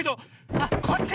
あっこっち？